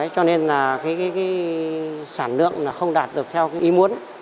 cho nên sản lượng không đạt được theo ý muốn